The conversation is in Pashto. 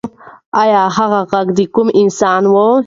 ایا هغه غږ د کوم انسان و؟